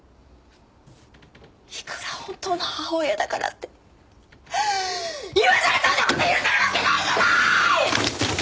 いくら本当の母親だからって今さらそんな事許せるわけないじゃない！